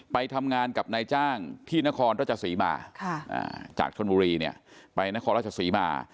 ไปทำงานกับนายจ้างที่นครราชศรีมาจากชนบุรีเนี่ยไปนครราชศรีมา